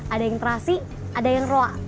ada yang terasi ada yang roa